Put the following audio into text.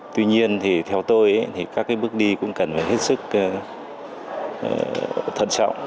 tuy nhiên thì theo tôi thì các bước đi cũng cần phải hết sức thận trọng